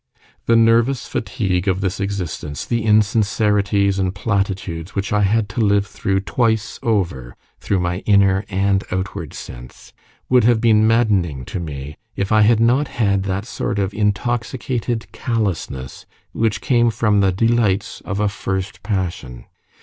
The nervous fatigue of this existence, the insincerities and platitudes which I had to live through twice over through my inner and outward sense would have been maddening to me, if I had not had that sort of intoxicated callousness which came from the delights of a first passion.